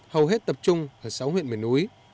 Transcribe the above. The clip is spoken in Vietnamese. hầu hết tập trung ở sáu huyện miền núi